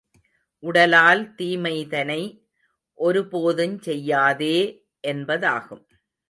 உடலால் தீமைதனை ஒரு போதுஞ் செய்யாதே! என்பதாகும்.